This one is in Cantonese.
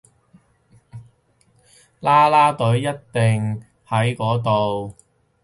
啦啦隊一定要喺嗰度